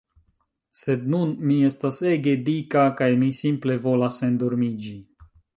Sed nun mi estas ege dika kaj mi simple volas endormiĝi